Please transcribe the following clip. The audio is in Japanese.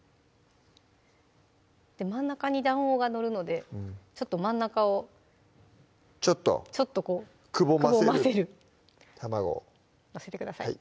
真ん中に卵黄が載るのでちょっと真ん中をちょっとくぼませる卵載せてください